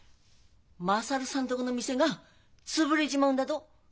優さんとこの店が潰れちまうんだと。